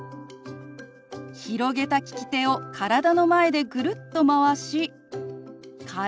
広げた利き手を体の前でぐるっとまわし「体」。